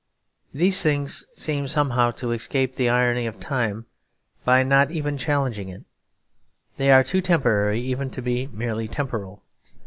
These things seem somehow to escape the irony of time by not even challenging it; they are too temporary even to be merely temporal.